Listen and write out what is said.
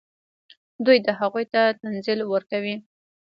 دوی هغوی ته تنزل ورکوي.